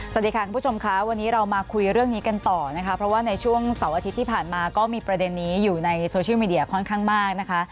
สวัสดีค่ะคุณผู้ชมค่ะวันนี้เรามาคุยเรื่องนี้กันต่อนะคะเพราะว่าในช่วงเสาร์อาทิตย์ที่ผ่านมาก็มีประเด็นนี้อยู่ในโซเชียลมีเดียค่อนข้างมากนะคะ